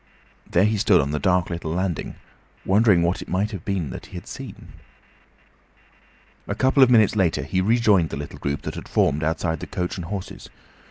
There he stood on the dark little landing, wondering what it might be that he had seen. A couple of minutes after, he rejoined the little group that had formed outside the "Coach and Horses."